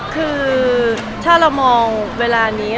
คือถ้าเรามองเวลานี้